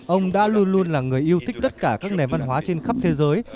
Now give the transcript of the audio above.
ông đã luôn luôn là người yêu thích tất cả các nền văn hóa trên khắp thế giới